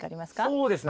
そうですね